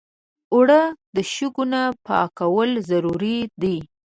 اوړه د شګو نه پاکول ضروري دي